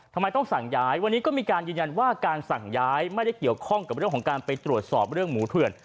ทำไมต้องสั่งย้ายวันนี้ก็มีการยืนยันว่าการสั่งย้ายไม่ได้เกี่ยวข้องกับเรื่องของการไปตรวจสอบเรื่องหมูเถื่อน